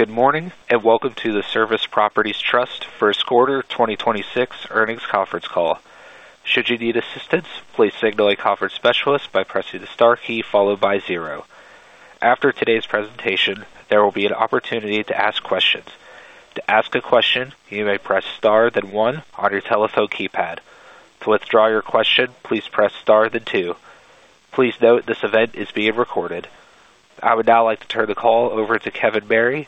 Good morning, and welcome to the Service Properties Trust Q1 2026 earnings conference call. I would now like to turn the call over to Kevin Barry,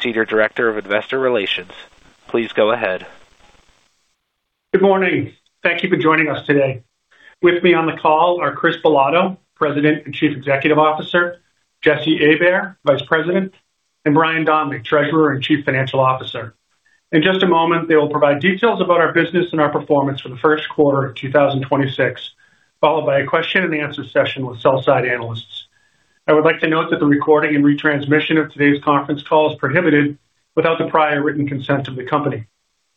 Senior Director of Investor Relations. Please go ahead. Good morning. Thank you for joining us today. With me on the call are Chris Bilotto, President and Chief Executive Officer, Jesse Abair, Vice President, and Brian Donley, Treasurer and Chief Financial Officer. In just a moment, they will provide details about our business and our performance for the Q1 of 2026, followed by a question and answer session with sell side analysts. I would like to note that the recording and retransmission of today's conference call is prohibited without the prior written consent of the company.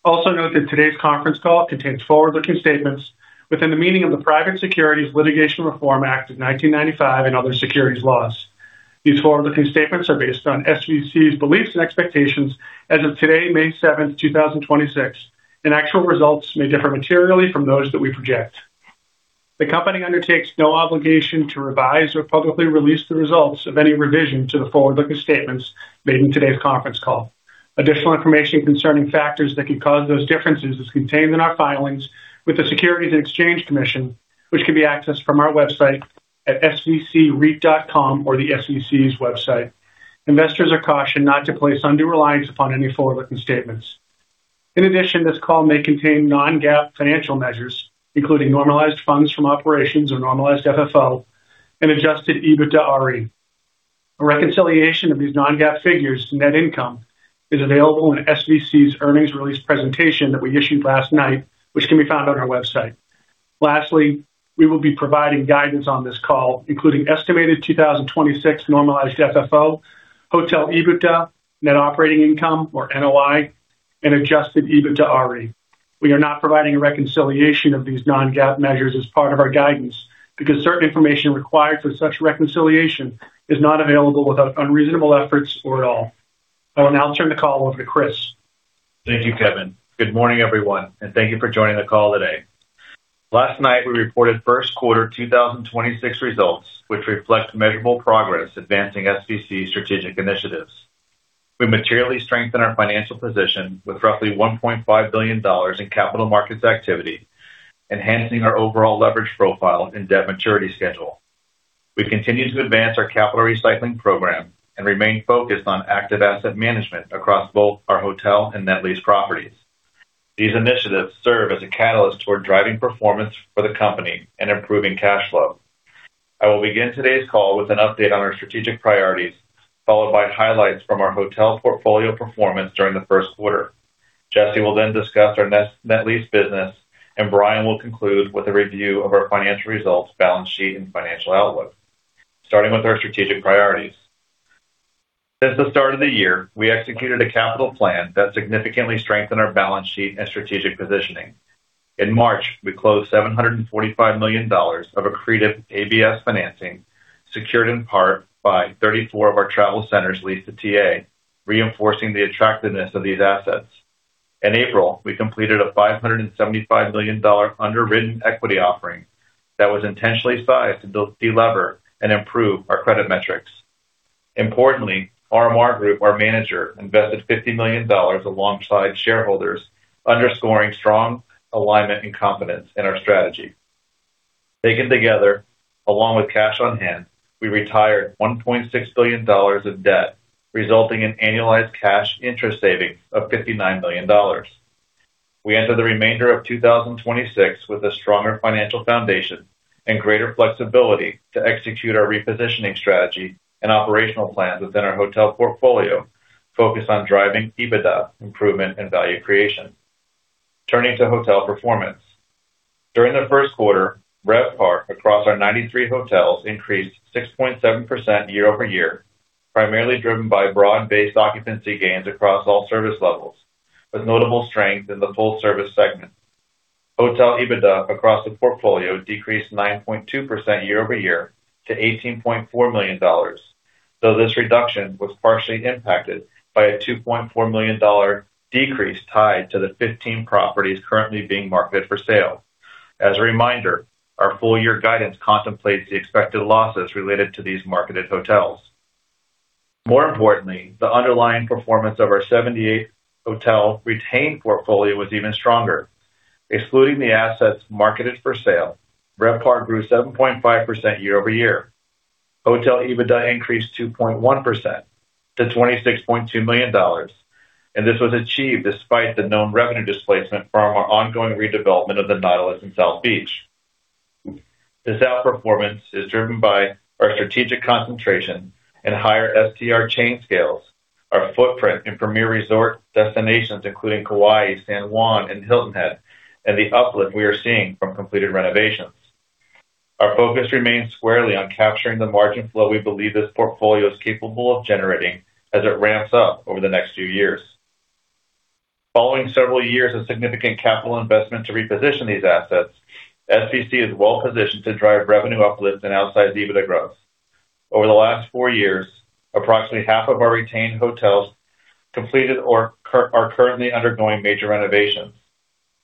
Also note that today's conference call contains forward-looking statements within the meaning of the Private Securities Litigation Reform Act of 1995 and other securities laws. These forward-looking statements are based on SVC's beliefs and expectations as of today, May 7th, 2026, and actual results may differ materially from those that we project. The company undertakes no obligation to revise or publicly release the results of any revision to the forward-looking statements made in today's conference call. Additional information concerning factors that could cause those differences is contained in our filings with the Securities and Exchange Commission, which can be accessed from our website at svcreit.com or the SEC's website. Investors are cautioned not to place undue reliance upon any forward-looking statements. In addition, this call may contain non-GAAP financial measures, including normalized funds from operations or normalized FFO and Adjusted EBITDAre. A reconciliation of these non-GAAP figures to net income is available in SVC's earnings release presentation that we issued last night, which can be found on our website. Lastly, we will be providing guidance on this call, including estimated 2026 normalized FFO, hotel EBITDA, net operating income or NOI, and Adjusted EBITDAre. We are not providing a reconciliation of these non-GAAP measures as part of our guidance because certain information required for such reconciliation is not available without unreasonable efforts or at all. I will now turn the call over to Chris. Thank you, Kevin. Good morning, everyone, and thank you for joining the call today. Last night, we reported Q1 2026 results, which reflect measurable progress advancing SVC strategic initiatives. We materially strengthened our financial position with roughly $1.5 billion in capital markets activity, enhancing our overall leverage profile and debt maturity schedule. We continue to advance our capital recycling program and remain focused on active asset management across both our hotel and net lease properties. These initiatives serve as a catalyst toward driving performance for the company and improving cash flow. I will begin today's call with an update on our strategic priorities, followed by highlights from our hotel portfolio performance during the Q1. Jesse Abair will then discuss our net lease business, and Brian Donley will conclude with a review of our financial results, balance sheet and financial outlook. Starting with our strategic priorities. Since the start of the year, we executed a capital plan that significantly strengthened our balance sheet and strategic positioning. In March, we closed $745 million of accretive ABS financing, secured in part by 34 of our travel centers leased to TA, reinforcing the attractiveness of these assets. In April, we completed a $575 million underwritten equity offering that was intentionally sized to de-lever and improve our credit metrics. Importantly, RMR Group, our manager, invested $50 million alongside shareholders, underscoring strong alignment and confidence in our strategy. Taken together, along with cash on hand, we retired $1.6 billion in debt, resulting in annualized cash interest savings of $59 million. We enter the remainder of 2026 with a stronger financial foundation and greater flexibility to execute our repositioning strategy and operational plans within our hotel portfolio, focused on driving EBITDA improvement and value creation. Turning to hotel performance. During the Q1, RevPAR across our 93 hotels increased 6.7% year-over-year, primarily driven by broad-based occupancy gains across all service levels, with notable strength in the full-service segment. Hotel EBITDA across the portfolio decreased 9.2% year-over-year to $18.4 million, though this reduction was partially impacted by a $2.4 million decrease tied to the 15 properties currently being marketed for sale. As a reminder, our full year guidance contemplates the expected losses related to these marketed hotels. More importantly, the underlying performance of our 78 hotel retained portfolio was even stronger. Excluding the assets marketed for sale, RevPAR grew 7.5% year-over-year. Hotel EBITDA increased 2.1% to $26.2 million. This was achieved despite the known revenue displacement from our ongoing redevelopment of The Nautilus in South Beach. This outperformance is driven by our strategic concentration and higher STR chain scales, our footprint in premier resort destinations, including Kauai, San Juan and Hilton Head, and the uplift we are seeing from completed renovations. Our focus remains squarely on capturing the margin flow we believe this portfolio is capable of generating as it ramps up over the next few years. Following several years of significant capital investment to reposition these assets, SVC is well-positioned to drive revenue uplifts and outsize EBITDA growth. Over the last four years, approximately half of our retained hotels completed or are currently undergoing major renovations.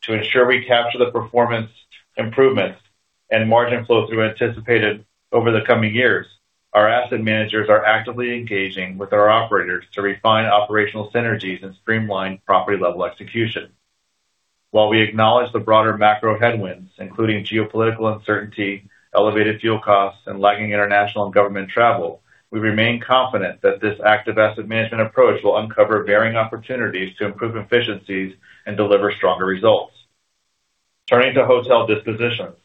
To ensure we capture the performance improvements and margin flow through anticipated over the coming years, our asset managers are actively engaging with our operators to refine operational synergies and streamline property-level execution. While we acknowledge the broader macro headwinds, including geopolitical uncertainty, elevated fuel costs, and lagging international and government travel, we remain confident that this active asset management approach will uncover varying opportunities to improve efficiencies and deliver stronger results. Turning to hotel dispositions.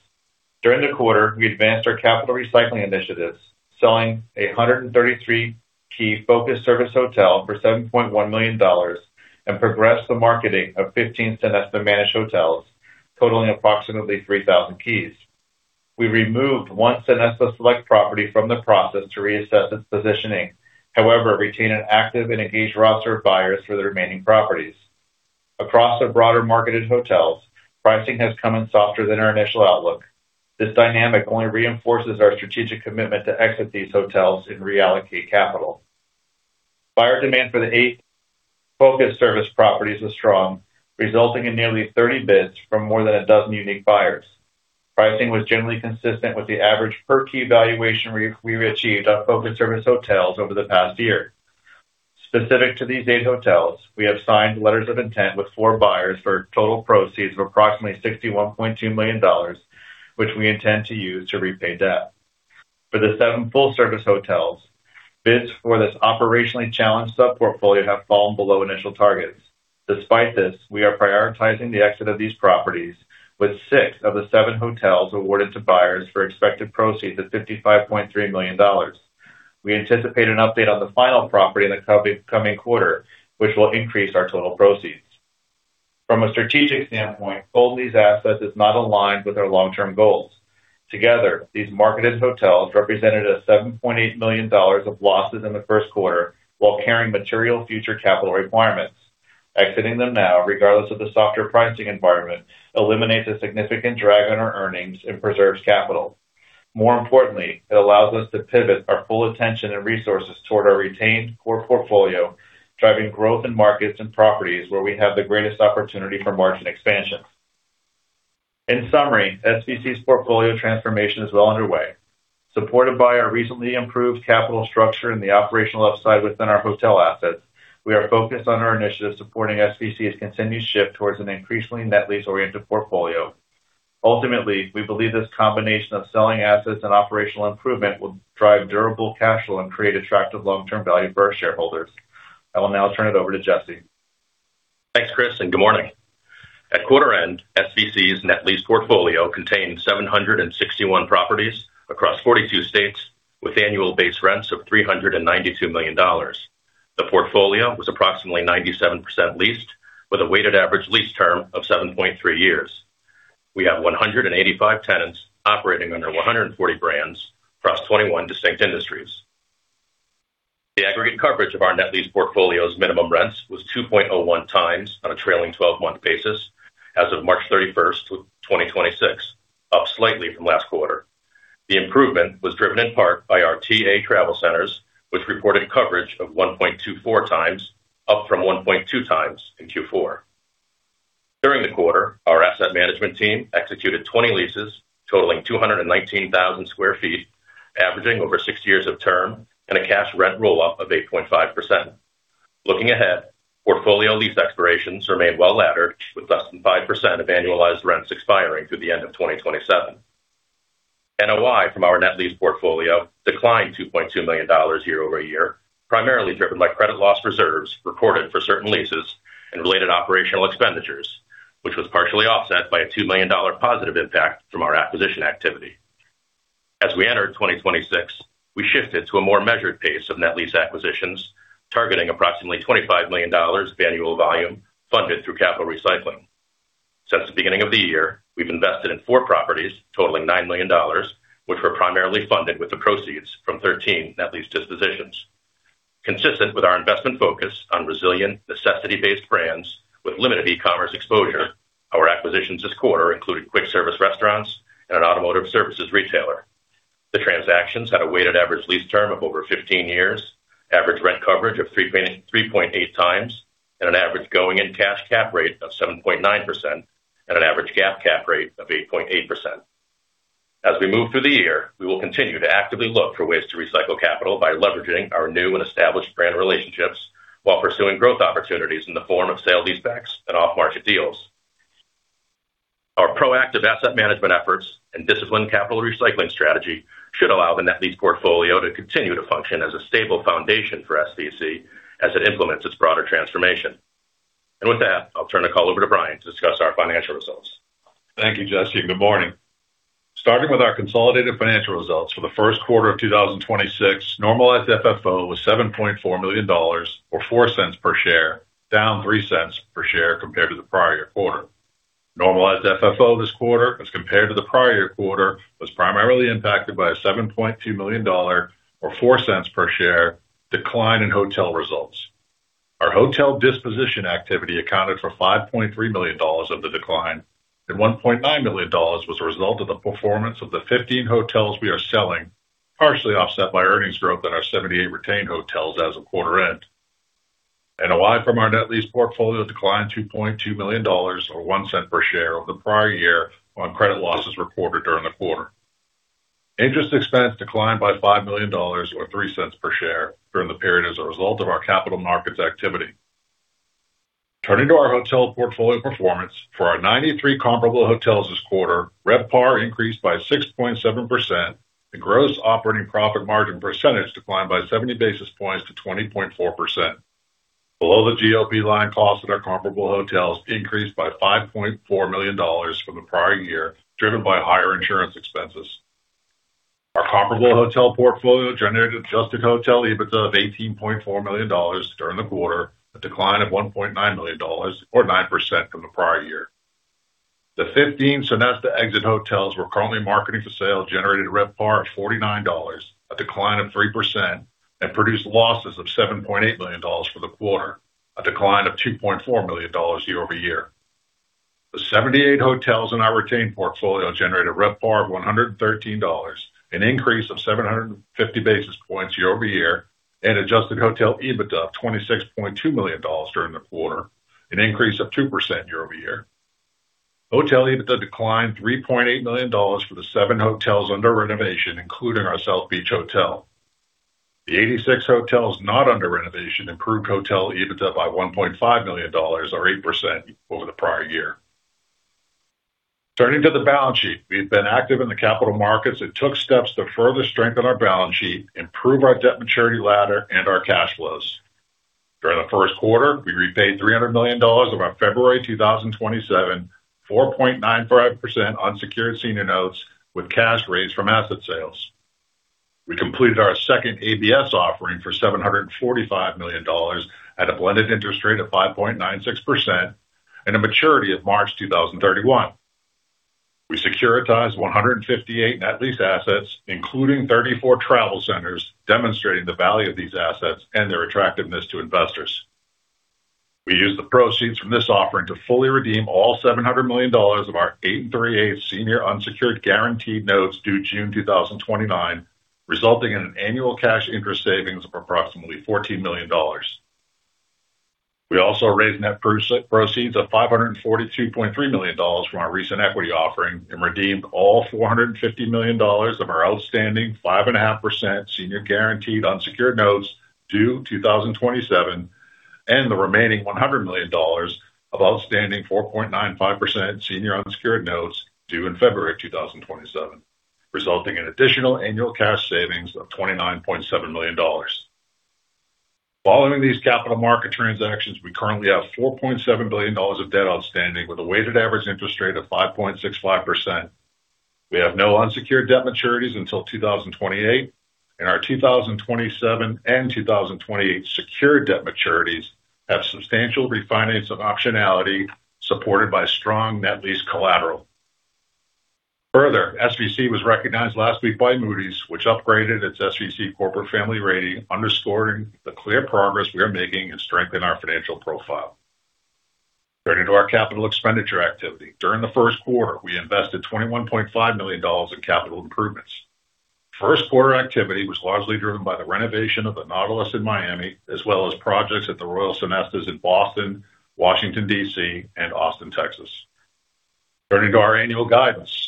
During the quarter, we advanced our capital recycling initiatives, selling a 133 key focused service hotel for $7.1 million, and progressed the marketing of 15 Sonesta managed hotels, totaling approximately 3,000 keys. We removed one Sonesta Select property from the process to reassess its positioning. Retain an active and engaged roster of buyers for the remaining properties. Across the broader marketed hotels, pricing has come in softer than our initial outlook. This dynamic only reinforces our strategic commitment to exit these hotels and reallocate capital. Buyer demand for the eight focused service properties was strong, resulting in nearly 30 bids from more than 12 unique buyers. Pricing was generally consistent with the average per key valuation we achieved on focused service hotels over the past year. Specific to these eight hotels, we have signed letters of intent with four buyers for total proceeds of approximately $61.2 million, which we intend to use to repay debt. For the seven full-service hotels, bids for this operationally challenged sub-portfolio have fallen below initial targets. Despite this, we are prioritizing the exit of these properties with six of the seven hotels awarded to buyers for expected proceeds of $55.3 million. We anticipate an update on the final property in the coming quarter, which will increase our total proceeds. From a strategic standpoint, holding these assets is not aligned with our long-term goals. Together, these marketed hotels represented $7.8 million of losses in the Q1 while carrying material future capital requirements. Exiting them now, regardless of the softer pricing environment, eliminates a significant drag on our earnings and preserves capital. More importantly, it allows us to pivot our full attention and resources toward our retained core portfolio, driving growth in markets and properties where we have the greatest opportunity for margin expansion. In summary, SVC's portfolio transformation is well underway. Supported by our recently improved capital structure and the operational upside within our hotel assets, we are focused on our initiative supporting SVC's continued shift towards an increasingly net lease-oriented portfolio. Ultimately, we believe this combination of selling assets and operational improvement will drive durable cash flow and create attractive long-term value for our shareholders. I will now turn it over to Jesse. Thanks, Chris, good morning. At quarter end, SVC's net lease portfolio contained 761 properties across 42 states with annual base rents of $392 million. The portfolio was approximately 97% leased with a weighted average lease term of 7.3 years. We have 185 tenants operating under 140 brands across 21 distinct industries. The aggregate coverage of our net lease portfolio's minimum rents was 2.01 times on a trailing 12-month basis as of March 31st, 2026, up slightly from last quarter. The improvement was driven in part by our TA travel centers, which reported coverage of 1.24 times, up from 1.2 times in Q4. During the quarter, our asset management team executed 20 leases totaling 219,000 square feet, averaging over six years of term and a cash rent roll up of 8.5%. Looking ahead, portfolio lease expirations remain well laddered with less than 5% of annualized rents expiring through the end of 2027. NOI from our net lease portfolio declined $2.2 million year-over-year, primarily driven by credit loss reserves recorded for certain leases and related operational expenditures, which was partially offset by a $2 million positive impact from our acquisition activity. As we entered 2026, we shifted to a more measured pace of net lease acquisitions, targeting approximately $25 million of annual volume funded through capital recycling. Since the beginning of the year, we've invested in four properties totaling $9 million, which were primarily funded with the proceeds from 13 net lease dispositions. Consistent with our investment focus on resilient necessity-based brands with limited e-commerce exposure, our acquisitions this quarter included quick service restaurants and an automotive services retailer. The transactions had a weighted average lease term of over 15 years, average rent coverage of 3.8 times, and an average going-in cash cap rate of 7.9%, and an average GAAP cap rate of 8.8%. As we move through the year, we will continue to actively look for ways to recycle capital by leveraging our new and established brand relationships while pursuing growth opportunities in the form of sale leasebacks and off-market deals. Our proactive asset management efforts and disciplined capital recycling strategy should allow the net lease portfolio to continue to function as a stable foundation for SVC as it implements its broader transformation. With that, I'll turn the call over to Brian to discuss our financial results. Thank you, Jesse, and good morning. Starting with our consolidated financial results for the Q1 of 2026, Normalized FFO was $7.4 million or $0.04 per share, down $0.03 per share compared to the prior quarter. Normalized FFO this quarter as compared to the prior quarter, was primarily impacted by a $7.2 million, or $0.04 per share, decline in hotel results. Our hotel disposition activity accounted for $5.3 million of the decline and $1.9 million was a result of the performance of the 15 hotels we are selling, partially offset by earnings growth in our 78 retained hotels as of quarter end. NOI from our net lease portfolio declined $2.2 million, or $0.01 per share, over the prior year on credit losses reported during the quarter. Interest expense declined by $5 million, or $0.03 per share, during the period as a result of our capital markets activity. Turning to our hotel portfolio performance. For our 93 comparable hotels this quarter, RevPAR increased by 6.7% and gross operating profit margin percentage declined by 70 basis points to 20.4%. Below the GOP line, costs at our comparable hotels increased by $5.4 million from the prior year, driven by higher insurance expenses. Our comparable hotel portfolio generated adjusted hotel EBITDA of $18.4 million during the quarter, a decline of $1.9 million, or 9%, from the prior year. The 15 Sonesta exit hotels we're currently marketing for sale generated a RevPAR of $49, a decline of 3%, and produced losses of $7.8 million for the quarter, a decline of $2.4 million year-over-year. The 78 hotels in our retained portfolio generated a RevPAR of $113, an increase of 750 basis points year-over-year, and adjusted hotel EBITDA of $26.2 million during the quarter, an increase of 2% year-over-year. Hotel EBITDA declined $3.8 million for the seven hotels under renovation, including our South Beach hotel. The 86 hotels not under renovation improved hotel EBITDA by $1.5 million or 8% over the prior year. Turning to the balance sheet. We've been active in the capital markets and took steps to further strengthen our balance sheet, improve our debt maturity ladder, and our cash flows. During the Q1, we repaid $300 million of our February 2027, 4.95% unsecured senior notes with cash raised from asset sales. We completed our second ABS offering for $745 million at a blended interest rate of 5.96% and a maturity of March 2031. We securitized 158 net lease assets, including 34 travel centers, demonstrating the value of these assets and their attractiveness to investors. We used the proceeds from this offering to fully redeem all $700 million of our 8 and three-eighths senior unsecured guaranteed notes due June 2029, resulting in an annual cash interest savings of approximately $14 million. We also raised net proceeds of $542.3 million from our recent equity offering and redeemed all $450 million of our outstanding 5.5% senior guaranteed unsecured notes due 2027, and the remaining $100 million of outstanding 4.95% senior unsecured notes due in February 2027, resulting in additional annual cash savings of $29.7 million. Following these capital market transactions, we currently have $4.7 billion of debt outstanding with a weighted average interest rate of 5.65%. We have no unsecured debt maturities until 2028, and our 2027 and 2028 secured debt maturities have substantial refinance optionality, supported by strong net lease collateral. Further, SVC was recognized last week by Moody's, which upgraded its SVC corporate family rating, underscoring the clear progress we are making in strengthening our financial profile. Turning to our capital expenditure activity. During the Q1, we invested $21.5 million in capital improvements. Q1 activity was largely driven by the renovation of the Nautilus in Miami, as well as projects at the Royal Sonesta in Boston, Washington, D.C., and Austin, Texas. Turning to our annual guidance.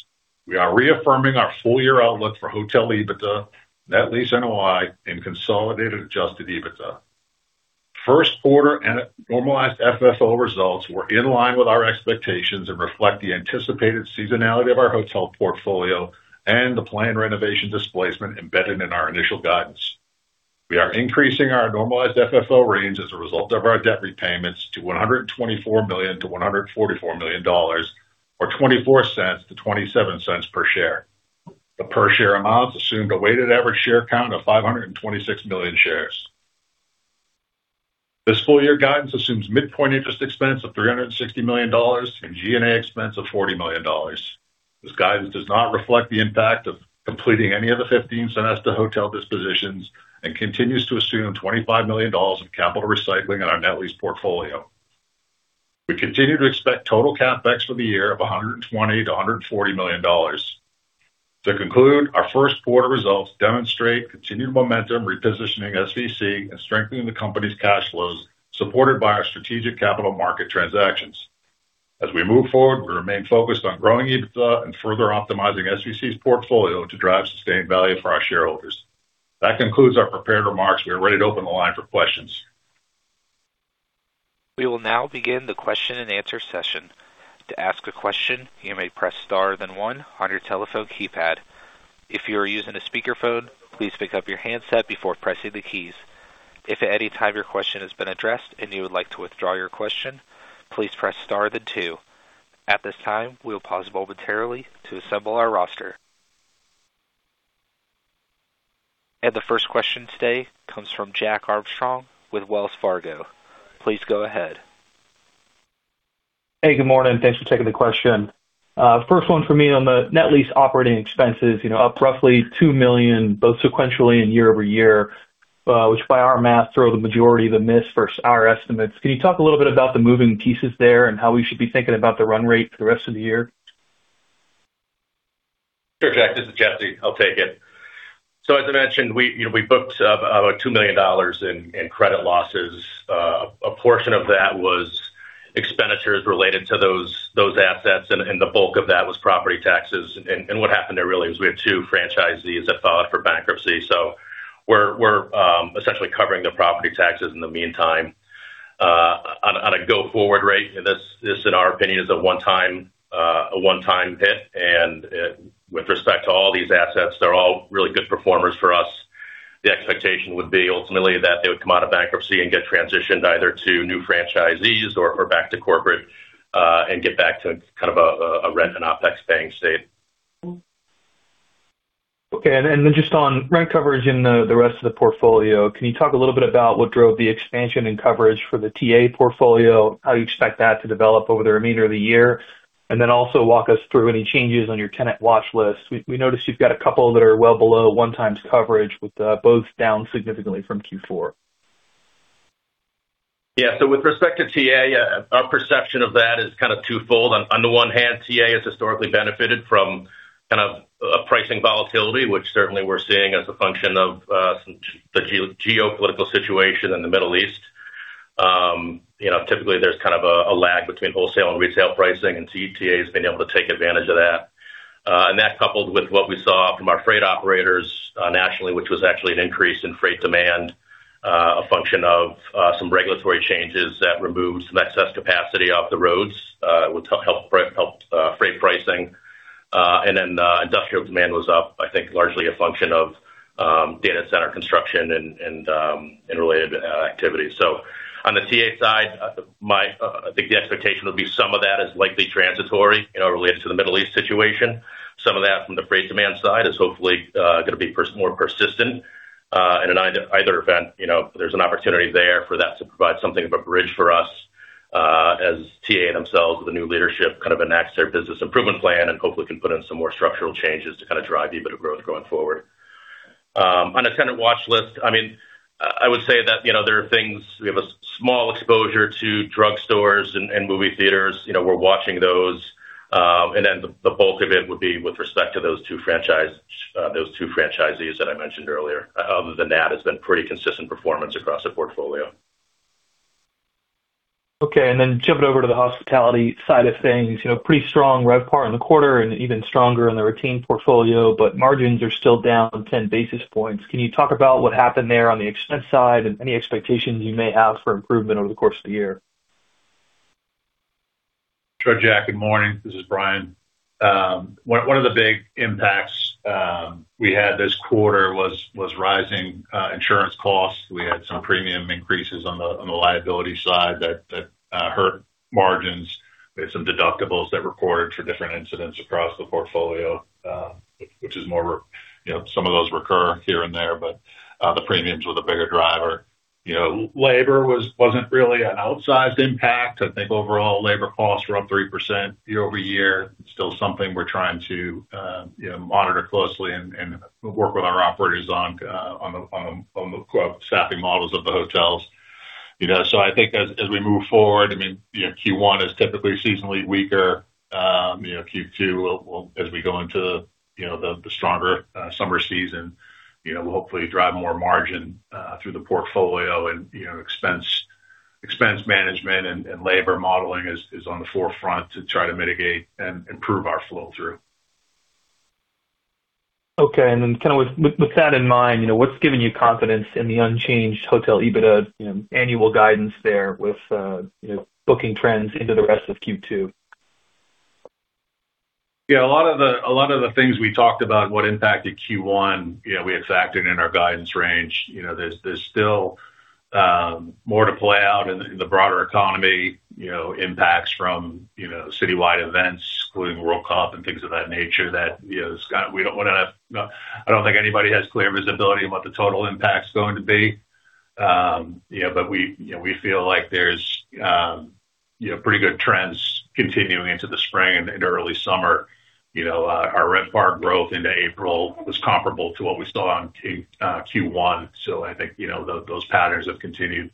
We are reaffirming our full year outlook for hotel EBITDA, net lease NOI, and consolidated Adjusted EBITDA. Q1 Normalized FFO results were in line with our expectations and reflect the anticipated seasonality of our hotel portfolio and the planned renovation displacement embedded in our initial guidance. We are increasing our Normalized FFO range as a result of our debt repayments to $124 million-$144 million, or $0.24-$0.27 per share. The per share amounts assume the weighted average share count of 526 million shares. This full year guidance assumes midpoint interest expense of $360 million and G&A expense of $40 million. This guidance does not reflect the impact of completing any of the 15 Sonesta hotel dispositions and continues to assume $25 million of capital recycling in our net lease portfolio. We continue to expect total CapEx for the year of $120 million-$140 million. To conclude, our Q1 results demonstrate continued momentum repositioning SVC and strengthening the company's cash flows, supported by our strategic capital market transactions. As we move forward, we remain focused on growing EBITDA and further optimizing SVC's portfolio to drive sustained value for our shareholders. That concludes our prepared remarks. We are ready to open the line for questions. We will now begin the question and answer session. To ask a question, you may press star then one on your telephone keypad. If you are using a speakerphone, please pick up your handset before pressing the keys. If at any time your question has been addressed and you would like to withdraw your question, please press star then two. At this time, we will pause momentarily to assemble our roster. The first question today comes from Jack Armstrong with Wells Fargo. Please go ahead. Hey, good morning. Thanks for taking the question. First one for me on the net lease operating expenses, you know, up roughly $2 million, both sequentially and year-over-year, which by our math drove the majority of the miss versus our estimates. Can you talk a little bit about the moving pieces there and how we should be thinking about the run rate for the rest of the year? Sure, Jack. This is Jesse. I'll take it. As I mentioned, we, you know, we booked about $2 million in credit losses. A portion of that was expenditures related to those assets, and the bulk of that was property taxes. What happened there really is we have two franchisees that filed for bankruptcy. We're essentially covering their property taxes in the meantime. On a go-forward rate, this, in our opinion, is a one-time, a one-time hit. With respect to all these assets, they're all really good performers for us. The expectation would be ultimately that they would come out of bankruptcy and get transitioned either to new franchisees or back to corporate and get back to kind of a rent and OpEx paying state. Okay. Then just on rent coverage in the rest of the portfolio, can you talk a little bit about what drove the expansion in coverage for the TA portfolio? How do you expect that to develop over the remainder of the year? Then also walk us through any changes on your tenant watch list. We noticed you've got a couple that are well below one times coverage with both down significantly from Q4. With respect to TA, our perception of that is kind of twofold. On the one hand, TA has historically benefited from kind of a pricing volatility, which certainly we're seeing as a function of the geopolitical situation in the Middle East. You know, typically there's kind of a lag between wholesale and retail pricing, TA has been able to take advantage of that. That coupled with what we saw from our freight operators, nationally, which was actually an increase in freight demand, a function of some regulatory changes that removed some excess capacity off the roads, which helped freight pricing. Industrial demand was up, I think largely a function of data center construction and related activities. On the TA side, I think the expectation would be some of that is likely transitory, you know, related to the Middle East situation. Some of that from the freight demand side is hopefully gonna be more persistent. And in either event, you know, there's an opportunity there for that to provide something of a bridge for us, as TA themselves with the new leadership kind of enacts their business improvement plan and hopefully can put in some more structural changes to kind of drive a bit of growth going forward. On a tenant watch list, I mean, I would say that, you know, there are things We have a small exposure to drugstores and movie theaters. You know, we're watching those. Then the bulk of it would be with respect to those 2 franchise, those 2 franchises that I mentioned earlier. Other than that, it's been pretty consistent performance across the portfolio. Okay. Then jumping over to the hospitality side of things, you know, pretty strong RevPAR in the quarter and even stronger in the Sonesta portfolio, but margins are still down 10 basis points. Can you talk about what happened there on the expense side and any expectations you may have for improvement over the course of the year? Sure, Jack Armstrong. Good morning. This is Brian. One of the big impacts we had this quarter was rising insurance costs. We had some premium increases on the liability side that hurt margins. We had some deductibles that recorded for different incidents across the portfolio, which is more, you know, some of those recur here and there, but the premiums were the bigger driver. You know, labor wasn't really an outsized impact. I think overall labor costs were up 3% year-over-year. It's still something we're trying to, you know, monitor closely and work with our operators on the, core, staffing models of the hotels. You know, I think as we move forward, I mean, you know, Q1 is typically seasonally weaker. You know, Q2 will as we go into, you know, the stronger summer season, you know, will hopefully drive more margin through the portfolio and, you know, expense management and labor modeling is on the forefront to try to mitigate and improve our flow through. Okay. kind of with that in mind, you know, what's giving you confidence in the unchanged hotel EBITDA, you know, annual guidance there with, you know, booking trends into the rest of Q2? Yeah, a lot of the things we talked about what impacted Q1, you know, we had factored in our guidance range. You know, there's still more to play out in the broader economy, you know, impacts from, you know, citywide events, including World Cup and things of that nature that, you know, I don't think anybody has clear visibility on what the total impact's going to be. You know, we, you know, we feel like there's, you know, pretty good trends continuing into the spring and into early summer. You know, our RevPAR growth into April was comparable to what we saw on Q1. I think, you know, those patterns have continued.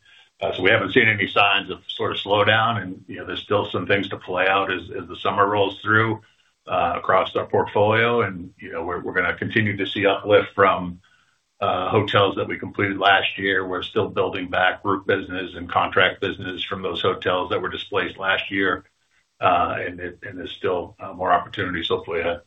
We haven't seen any signs of sort of slowdown and, you know, there's still some things to play out as the summer rolls through across our portfolio. You know, we're gonna continue to see uplift from hotels that we completed last year. We're still building back group business and contract business from those hotels that were displaced last year. There's still more opportunities hopefully ahead.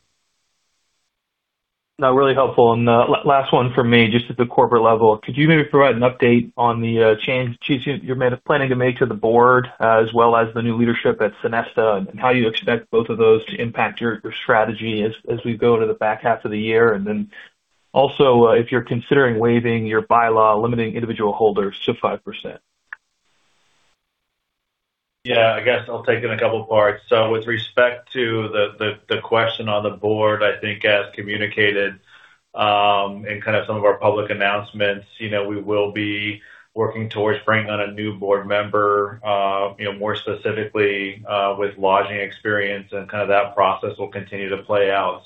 No, really helpful. Last one for me, just at the corporate level. Could you maybe provide an update on the changes you're planning to make to the board as well as the new leadership at Sonesta, and how you expect both of those to impact your strategy as we go to the back half of the year? Also, if you're considering waiving your bylaw limiting individual holders to 5%. Yeah, I guess I'll take it in a couple parts. With respect to the question on the board, I think as communicated, in kind of some of our public announcements, you know, we will be working towards bringing on a new board member, more specifically, with lodging experience and kind of that process will continue to play out.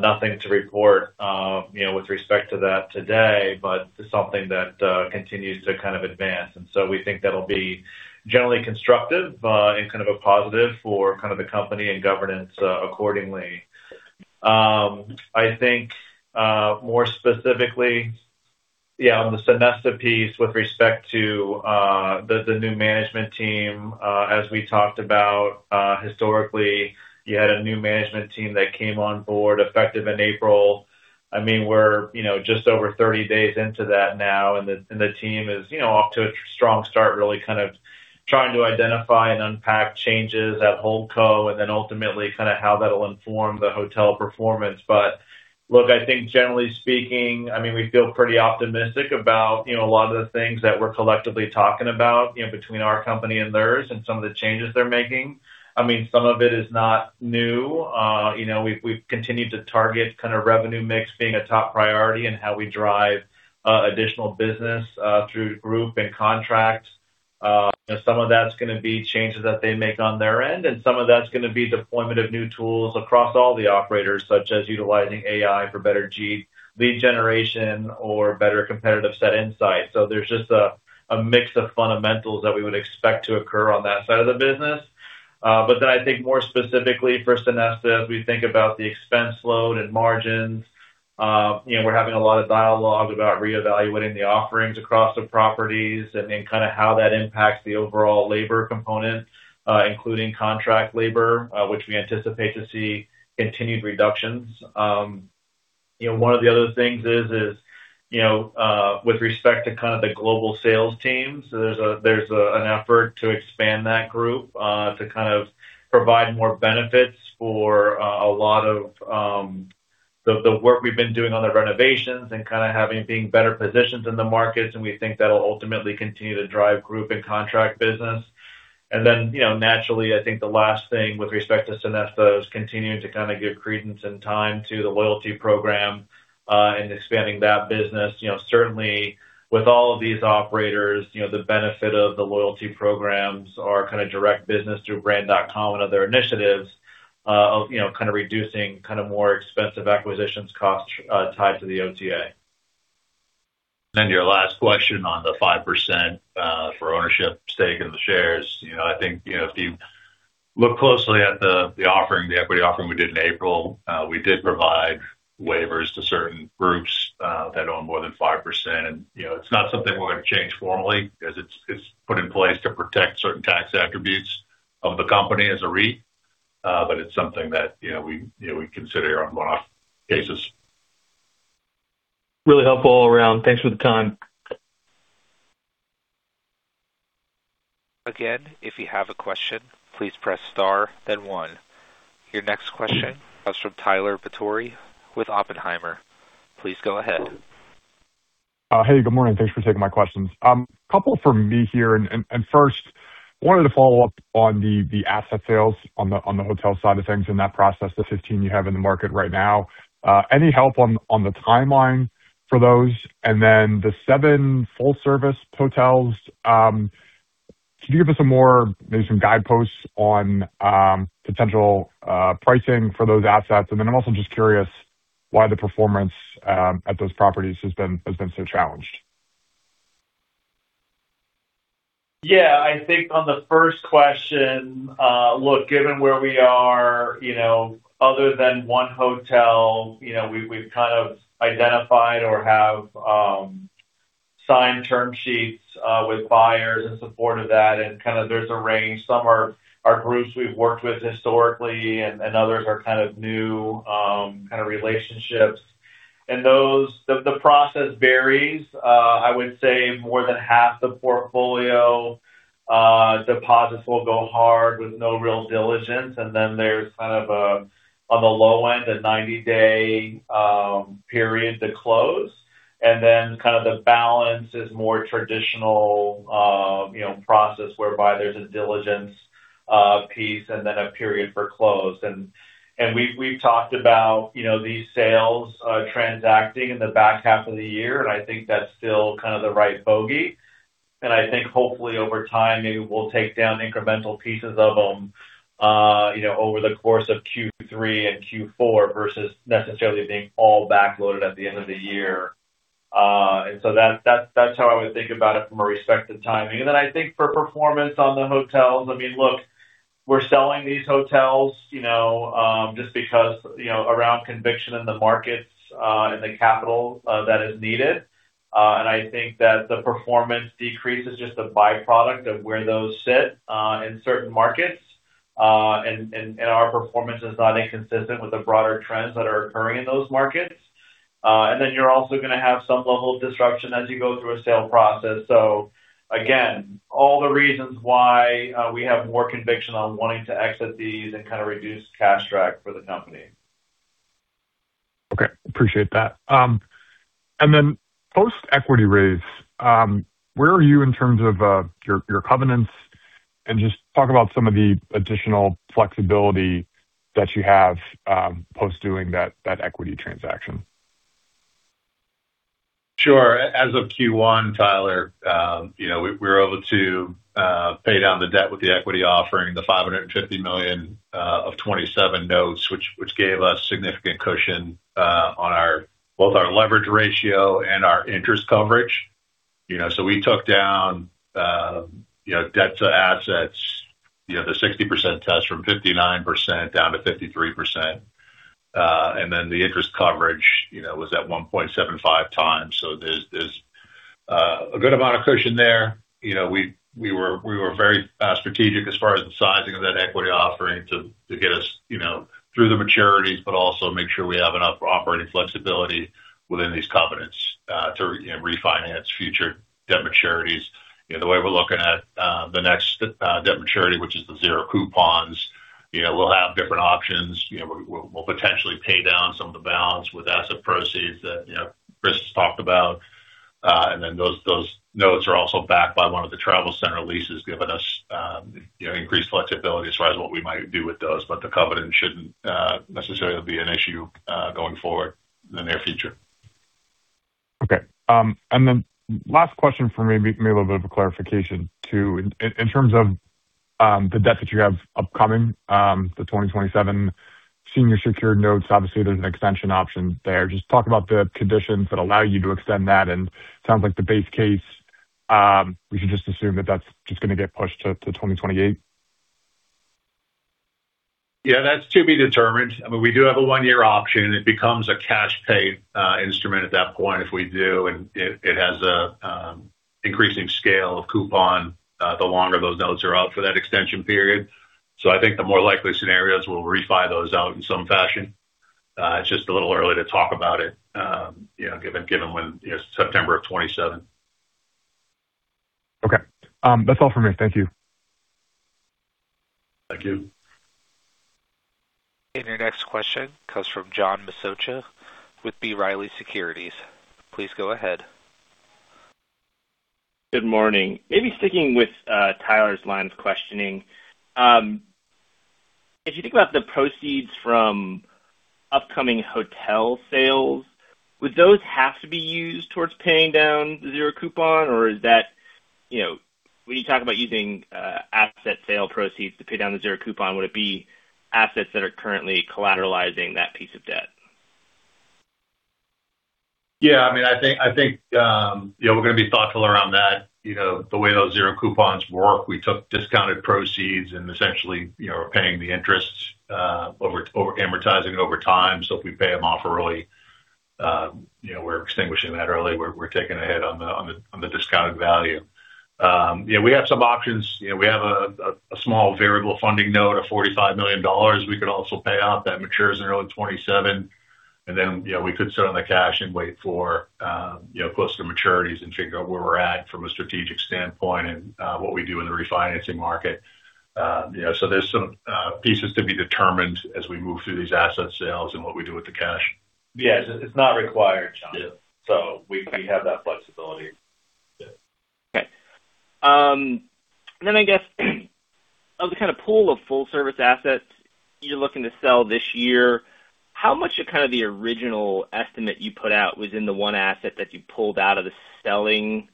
Nothing to report, you know, with respect to that today, but something that continues to kind of advance. We think that'll be generally constructive, and kind of a positive for kind of the company and governance, accordingly. I think, more specifically, on the Sonesta piece with respect to the new management team, as we talked about historically, you had a new management team that came on board effective in April. I mean, we're, you know, just over 30 days into that now, and the team is, you know, off to a strong start, really kind of trying to identify and unpack changes at Holdco and then ultimately kind of how that'll inform the hotel performance. Look, I think generally speaking, I mean, we feel pretty optimistic about, you know, a lot of the things that we're collectively talking about, you know, between our company and theirs and some of the changes they're making. I mean, some of it is not new. You know, we've continued to target kind of revenue mix being a top priority in how we drive additional business through group and contracts. Some of that's gonna be changes that they make on their end, and some of that's gonna be deployment of new tools across all the operators, such as utilizing AI for better lead generation or better competitive set insights. There's just a mix of fundamentals that we would expect to occur on that side of the business. I think more specifically for Sonesta, as we think about the expense load and margins, you know, we're having a lot of dialogue about reevaluating the offerings across the properties and then kind of how that impacts the overall labor component, including contract labor, which we anticipate to see continued reductions. You know, one of the other things is, you know, with respect to kind of the global sales teams, there's an effort to expand that group to kind of provide more benefits for a lot of the work we've been doing on the renovations and kind of having being better positioned in the markets, and we think that'll ultimately continue to drive group and contract business. Then, you know, naturally, I think the last thing with respect to Sonesta is continuing to kind of give credence and time to the loyalty program and expanding that business. You know, certainly with all of these operators, you know, the benefit of the loyalty programs or kind of direct business through brand.com and other initiatives, of, you know, kind of reducing kind of more expensive acquisitions costs, tied to the OTA. Your last question on the 5%, for ownership stake in the shares. You know, I think, you know, if you look closely at the equity offering we did in April, we did provide waivers to certain groups that own more than 5%. You know, it's not something we're gonna change formally because it's put in place to protect certain tax attributes of the company as a REIT, but it's something that, you know, we consider on one-off cases. Really helpful all around. Thanks for the time. Again, if you have a question, please press star then one. Your next question comes from Tyler Batory with Oppenheimer. Please go ahead. Hey, good morning. Thanks for taking my questions. A couple from me here. First, wanted to follow up on the asset sales on the hotel side of things and that process, the 15 you have in the market right now. Any help on the timeline for those? Then the seven full service hotels, can you give us some more, maybe some guideposts on potential pricing for those assets? I'm also just curious why the performance at those properties has been so challenged. Yeah. I think on the first question, look, given where we are, you know, other than one hotel, you know, we've kind of identified or have signed term sheets with buyers in support of that, and kind of there's a range. Some are groups we've worked with historically and others are kind of new relationships. The process varies. I would say more than half the portfolio, deposits will go hard with no real diligence. Then there's kind of a, on the low end, a 90-day period to close. Then kind of the balance is more traditional, you know, process whereby there's a diligence piece and then a period for close. We've talked about, you know, these sales transacting in the back half of the year, and I think that's still kind of the right bogey. I think hopefully over time, maybe we'll take down incremental pieces of them, you know, over the course of Q3 and Q4 versus necessarily being all backloaded at the end of the year. That's how I would think about it from a respective timing. I think for performance on the hotels, I mean, look, we're selling these hotels, you know, just because, you know, around conviction in the markets, and the capital that is needed. I think that the performance decrease is just a byproduct of where those sit in certain markets. Our performance is not inconsistent with the broader trends that are occurring in those markets. You're also gonna have some level of disruption as you go through a sale process. Again, all the reasons why we have more conviction on wanting to exit these and kind of reduce cash drag for the company. Okay. Appreciate that. Post equity raise, where are you in terms of your covenants? Just talk about some of the additional flexibility that you have post doing that equity transaction. Sure. As of Q1, Tyler, you know, we were able to pay down the debt with the equity offering, the $550 million of '27 notes, which gave us significant cushion on both our leverage ratio and our interest coverage. You know, we took down, you know, debt to assets, you know, the 60% test from 59% down to 53%. The interest coverage, you know, was at 1.75 times. There's a good amount of cushion there. You know, we were very strategic as far as the sizing of that equity offering to get us, you know, through the maturities, also make sure we have enough operating flexibility within these covenants to, you know, refinance future debt maturities. You know, the way we're looking at the next debt maturity, which is the zero coupons, you know, we'll have different options. You know, we'll, we'll potentially pay down some of the balance with asset proceeds that, you know, Chris talked about. Those, those notes are also backed by one of the travel center leases, giving us, you know, increased flexibility as far as what we might do with those. The covenant shouldn't necessarily be an issue going forward in the near future. Okay. Last question for me, maybe a little bit of a clarification too. In terms of the debt that you have upcoming, the 2027 senior secured notes, obviously there's an extension option there. Just talk about the conditions that allow you to extend that, and sounds like the base case, we should just assume that that's just gonna get pushed to 2028. Yeah, that's to be determined. I mean, we do have a one-year option. It becomes a cash pay instrument at that point if we do, and it has a increasing scale of coupon the longer those notes are out for that extension period. I think the more likely scenarios, we'll refi those out in some fashion. It's just a little early to talk about it, you know, given when, you know, September of 2027. Okay. That's all for me. Thank you. Thank you. Your next question comes from John Massocca with B. Riley Securities. Please go ahead. Good morning. Maybe sticking with Tyler's line of questioning. If you think about the proceeds from upcoming hotel sales, would those have to be used towards paying down the zero coupon? Is that, you know, when you talk about using asset sale proceeds to pay down the zero coupon, would it be assets that are currently collateralizing that piece of debt? I think, you know, we're gonna be thoughtful around that. The way those zero coupons work, we took discounted proceeds and essentially, you know, are paying the interest or amortizing it over time. If we pay them off early, you know, we're extinguishing that early. We're taking a hit on the discounted value. We have some options. We have a small variable funding note of $45 million. We could also pay out. That matures in early '27. We could sit on the cash and wait for, you know, closer maturities and figure out where we're at from a strategic standpoint and what we do in the refinancing market. You know, there's some pieces to be determined as we move through these asset sales and what we do with the cash. Yeah. It's not required, John. Yeah. We have that flexibility. Yeah. Okay. I guess of the kind of pool of full-service assets you're looking to sell this year, how much of kind of the original estimate you put out was in the one asset that you pulled out of the selling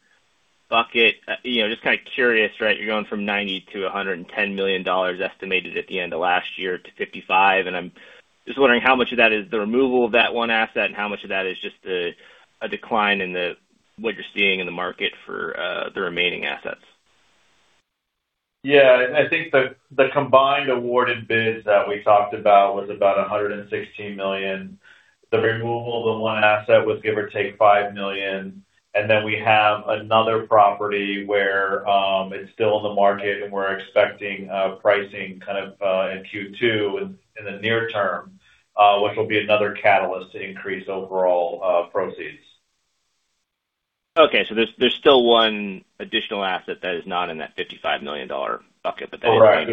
bucket? You know, just kind of curious, right? You're going from $90 million-$110 million estimated at the end of last year to $55 million, and I'm just wondering how much of that is the removal of that one asset and how much of that is just a decline in what you're seeing in the market for the remaining assets. I think the combined awarded bids that we talked about was about $116 million. The removal of the one asset was give or take $5 million. We have another property where it's still in the market and we're expecting pricing kind of in Q2 in the near term, which will be another catalyst to increase overall proceeds. Okay. There's still one additional asset that is not in that $55 million bucket. Correct.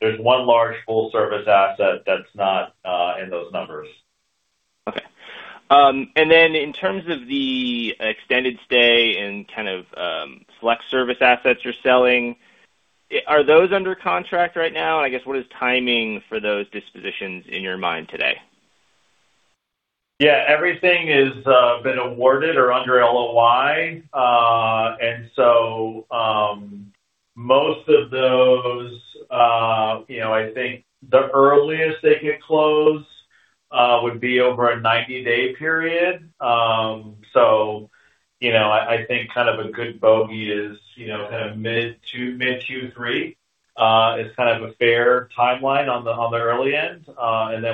There's one large full service asset that's not in those numbers. Okay. In terms of the extended stay and kind of, select service assets you're selling, are those under contract right now? I guess what is timing for those dispositions in your mind today? Yeah. Everything is been awarded or under LOI. Most of those, you know, I think the earliest they could close would be over a 90-day period. You know, I think kind of a good bogey is, you know, kind of mid-Q2, mid-Q3 is kind of a fair timeline on the, on the early end.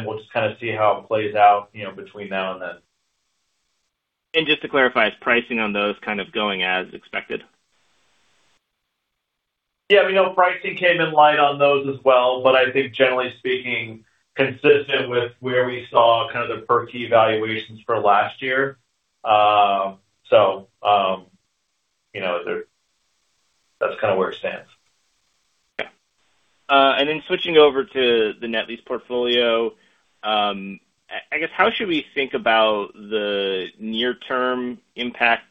We'll just kinda see how it plays out, you know, between now and then. Just to clarify, is pricing on those kind of going as expected? Yeah. We know pricing came in light on those as well, but I think generally speaking, consistent with where we saw kind of the per key valuations for last year. You know, that's kind of where it stands. Yeah. Then switching over to the net lease portfolio. I guess, how should we think about the near-term impact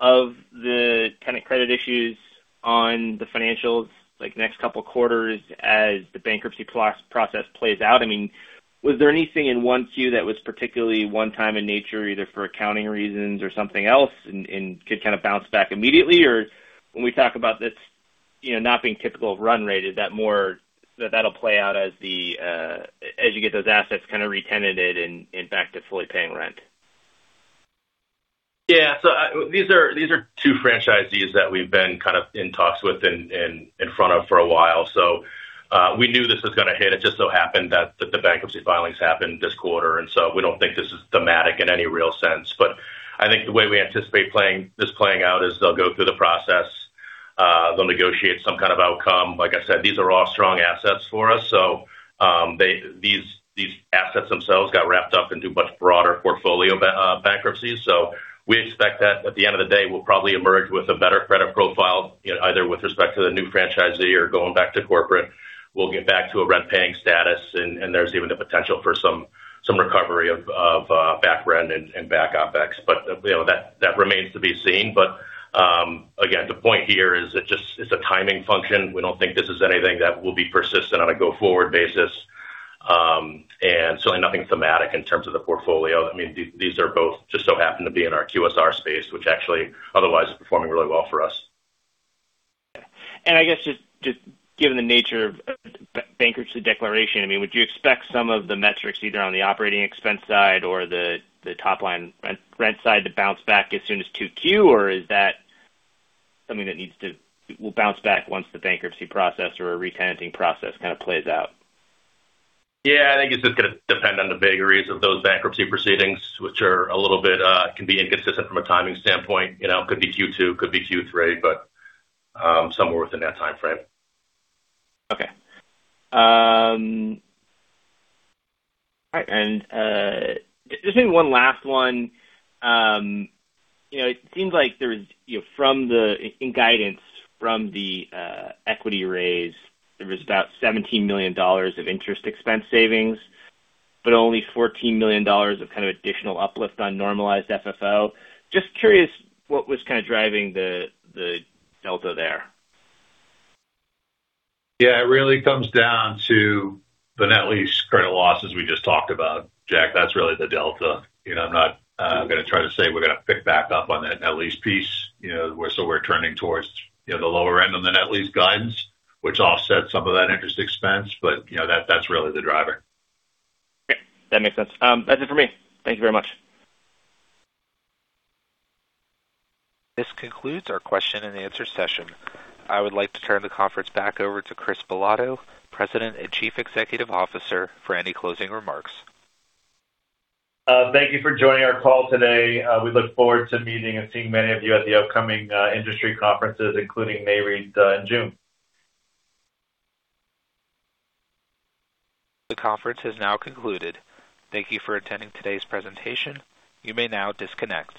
of the tenant credit issues on the financials, like next couple quarters as the bankruptcy process plays out? I mean, was there anything in 1 Q that was particularly one time in nature, either for accounting reasons or something else and could kind of bounce back immediately? When we talk about this, you know, not being typical of run rate, is that more so that'll play out as you get those assets kind of re-tenanted and back to fully paying rent? Yeah. These are two franchisees that we've been kind of in talks with and in front of for a while. We knew this was gonna hit. It just so happened that the bankruptcy filings happened this quarter, we don't think this is thematic in any real sense. I think the way we anticipate playing out is they'll go through the process, they'll negotiate some kind of outcome. Like I said, these are all strong assets for us. These assets themselves got wrapped up into much broader portfolio bankruptcies. We expect that at the end of the day, we'll probably emerge with a better credit profile, you know, either with respect to the new franchisee or going back to corporate. We'll get back to a rent-paying status and there's even the potential for some recovery of back rent and back OpEx. You know, that remains to be seen. Again, the point here is it just is a timing function. We don't think this is anything that will be persistent on a go-forward basis. Certainly nothing thematic in terms of the portfolio. I mean, these are both just so happen to be in our QSR space, which actually otherwise is performing really well for us. I guess just given the nature of bankruptcy declaration, I mean, would you expect some of the metrics, either on the operating expense side or the top line re-rent side to bounce back as soon as 2Q? Or is that something that will bounce back once the bankruptcy process or re-tenanting process kind of plays out? Yeah. I think it's just gonna depend on the vagaries of those bankruptcy proceedings, which are a little bit can be inconsistent from a timing standpoint. You know, could be Q2, could be Q3, but somewhere within that timeframe. Okay. All right. Just maybe one last one. It seems like there's in guidance from the equity raise, there was about $17 million of interest expense savings, but only $14 million of kind of additional uplift on Normalized FFO. Just curious what was kind of driving the delta there. Yeah. It really comes down to the net lease credit losses we just talked about, Jack. That's really the delta. You know, I'm not gonna try to say we're gonna pick back up on the net lease piece. You know, we're turning towards, you know, the lower end on the net lease guidance, which offsets some of that interest expense. You know, that's really the driver. Great. That makes sense. That's it for me. Thank you very much. This concludes our question and answer session. I would like to turn the conference back over to Chris Bilotto, President and Chief Executive Officer, for any closing remarks. Thank you for joining our call today. We look forward to meeting and seeing many of you at the upcoming industry conferences, including Nareit, in June. The conference has now concluded. Thank you for attending today's presentation. You may now disconnect.